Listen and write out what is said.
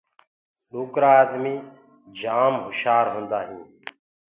ڏوڪرآ آدمي جآم هُشآر هوندآ هينٚ۔